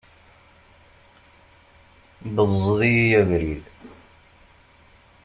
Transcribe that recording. Beẓẓed-iyi abrid!